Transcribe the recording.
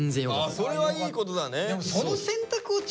それはいいことだね。